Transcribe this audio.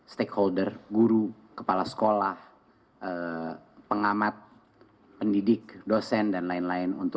stakeholder guru kepala sekolah pengamat pendidik dosen dan lain lain